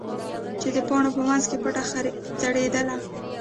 چې د پاڼو په منځ کې پټه ځړېدله.